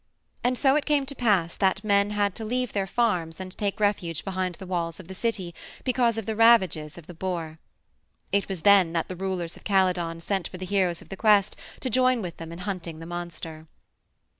And so it came to pass that men had to leave their farms and take refuge behind the walls of the city because of the ravages of the boar. It was then that the rulers of Calydon sent for the heroes of the quest to join with them in hunting the monster.